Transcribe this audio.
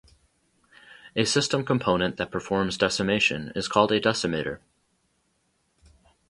A system component that performs decimation is called a "decimator".